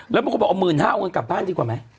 แล้วบางคนบอกเอา๑๕๐๐เอาเงินกลับบ้านดีกว่าไหม